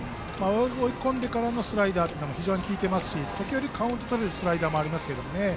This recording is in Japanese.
追い込んでからのスライダーが非常に効いていますし時折カウントをとれるスライダーもありますけどね。